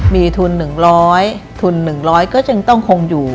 มีทุน๑๐๐ทุน๑๐๐ก็จึงต้องคงอยู่